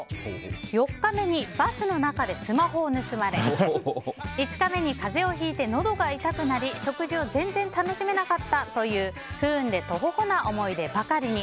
４日目にバスの中でスマホを盗まれ５日目に風邪をひいてのどが痛くなり食事を全然楽しめなかったという不運でトホホな思い出ばかりに。